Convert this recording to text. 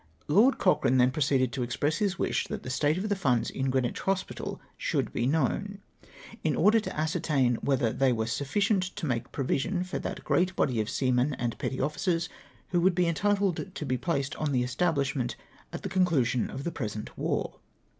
LoKD CocHRA^'E theu proceeded to express his wish that the state of tlie funds in Grreenwich Hospital should be known, in order to ascertain wliether they were sufficient to make provision for that great body of seamen and petty officers who would be entitled to be placed on the estabhsh ment at the conclusion of the present war.